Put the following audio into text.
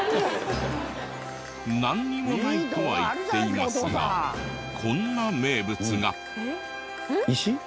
なんにもないとは言っていますがこんな名物が。えっ？